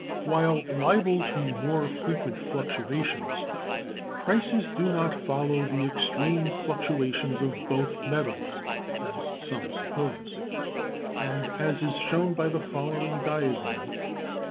While liable to "more frequent fluctuations," prices do not follow the extreme fluctuations of both metals, as some suppose, and as is shown by the following diagram.